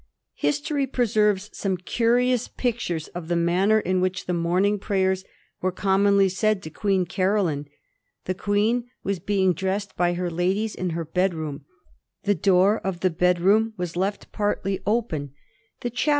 History preserves some curious pictures of the manner in which the morning prayers were commonly said to Queen Caroline. The Queen was being dressed by her ladies in her bedroom; the door of the bedroom was left partly open; the chap 1787. CAROLINE'S DEATH STROKE.